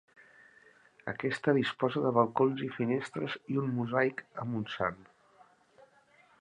Aquesta disposa de balcons i finestres i un mosaic amb un sant.